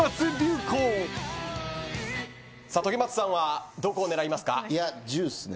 時松さんはどこを狙いますか？